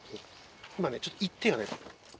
今ねちょっと「言って」がね。